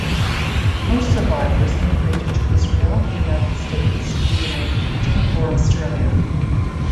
Most survivors immigrated to Israel, the United States, the United Kingdom or Australia.